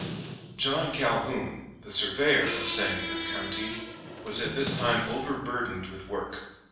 ] John Calhoun, the Surveyor of Sangamon County, was at this time overburdened with work.